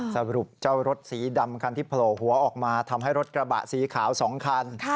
สรุปเจ้ารถสีดำคันที่โผล่หัวออกมาทำให้รถกระบะสีขาว๒คัน